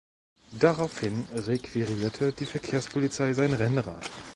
Daraufhin requirierte die Verkehrspolizei sein Rennrad.